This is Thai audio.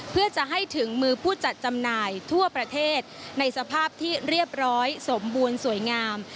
เพื่อจะให้ถึงมือผู้จัดจำหน่ายทั่วประเทศในสภาพที่เรียบร้อยสมบูรณ์สวยงาม